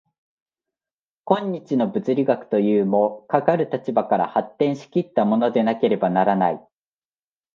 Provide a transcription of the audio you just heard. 今日の物理学というも、かかる立場から発展し来ったものでなければならない。